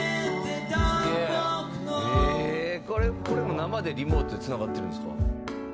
「これも生でリモートでつながってるんですか？」